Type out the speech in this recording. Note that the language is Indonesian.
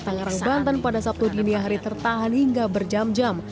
tangerang banten pada sabtu dini hari tertahan hingga berjam jam